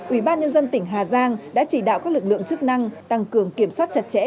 ủy ban nhân dân tỉnh hà giang đã chỉ đạo các lực lượng chức năng tăng cường kiểm soát chặt chẽ